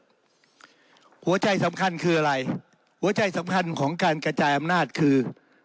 หัวใจสำคัญคืออะไรหัวใจสำคัญของการกระจายอำนาจคือ